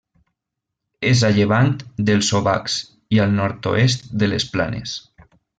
És a llevant dels Obacs i al nord-oest de les Planes.